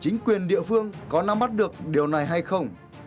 chính quyền địa phương có nắm bắt được điều này hay không